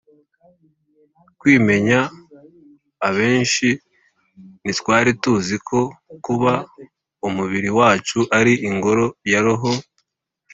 kwimenya: abenshi ntitwari tuzi ko kuba umubiri wacu ari ingoro ya roho